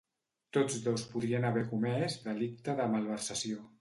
Tots dos podrien haver comès delicte de malversació